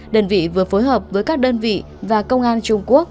đơn vị vừa phối hợp với các đơn vị và công an trung quốc